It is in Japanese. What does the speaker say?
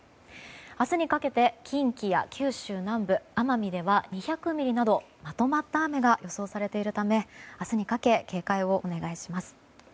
明日にかけて、近畿や九州南部奄美では２００ミリなど、まとまった雨が予想されているため明日にかけ警戒をお願いします。